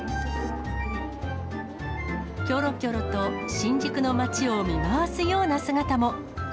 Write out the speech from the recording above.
きょろきょろと新宿の街を見回すような姿も。